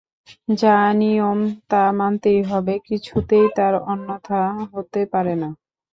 যা নিয়ম তা মানতেই হবে, কিছুতেই তার অন্যথা হতে পারে না।